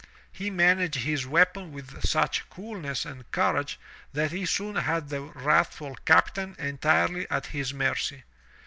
He managed his weapon with such coolness and courage that he soon had the wrathful captain entirely at his mercy.